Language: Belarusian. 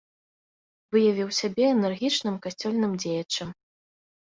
Выявіў сябе энергічным касцёльным дзеячам.